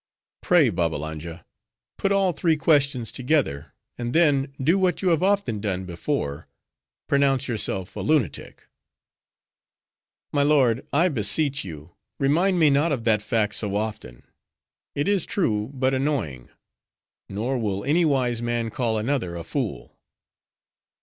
"Pray, Babbalanja put all three questions together; and then, do what you have often done before, pronounce yourself a lunatic." "My lord, I beseech you, remind me not of that fact so often. It is true, but annoying. Nor will any wise man call another a fool."